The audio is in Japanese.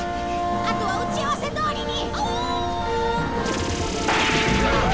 あとは打ち合わせどおりに！